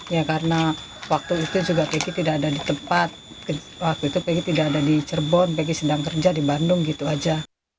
ya karena waktu itu juga peki tidak ada di tempat waktu itu peki tidak ada di cirebon peki sedang kerja di bandung gitu aja